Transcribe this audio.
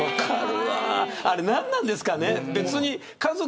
あれ何なんですかね。